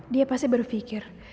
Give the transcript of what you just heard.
dia pasti berpikir